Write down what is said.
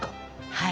はい。